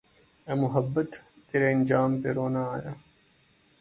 اے محبت تیرے انجام پہ رونا آیا